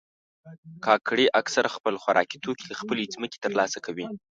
کاکړي اکثره خپل خوراکي توکي له خپلې ځمکې ترلاسه کوي.